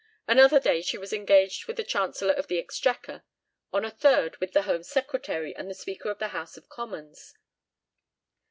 Another day she was engaged with the Chancellor of the Exchequer; on a third with the Home Secretary and the Speaker of the House of Commons.